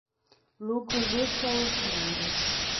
lucros extraordinários